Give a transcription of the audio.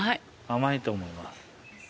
◆甘いと思います。